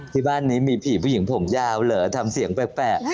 ที่บ้านนี้มีผีผู้หญิงผมยาวเหรอทำเสียงแปลก